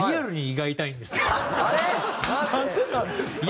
なんでなんですか？